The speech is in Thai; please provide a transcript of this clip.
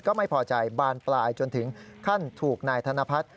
ก็ไม่พอใจบานปลายจนถึงขั้นถูกนายธนพัฒน์